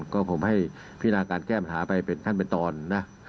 ก็ผมให้พินาการแก้ปัญหาไปเป็นขั้นเป็นตอนนะ